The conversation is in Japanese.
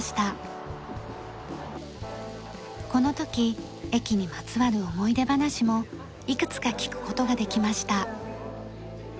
この時駅にまつわる思い出話もいくつか聞く事ができました。